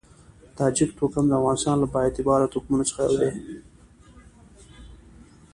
تاجک توکم د افغانستان له با اعتباره توکمونو څخه یو دی.